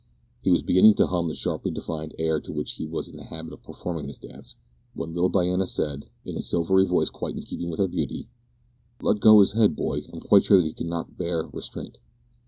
He was beginning to hum the sharply defined air to which he was in the habit of performing this dance, when little Diana said, in a silvery voice quite in keeping with her beauty "Let go his head, boy; I'm quite sure that he cannot bear restraint."